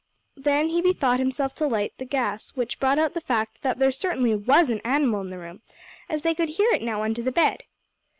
Then he bethought himself to light the gas, which brought out the fact that there certainly was an animal in the room, as they could hear it now under the bed.